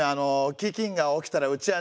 ききんが起きたらうちはね